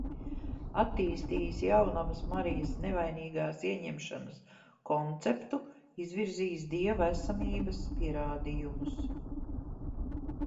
Attīstījis Jaunavas Marijas nevainīgās ieņemšanas konceptu, izvirzījis Dieva esamības pierādījumus.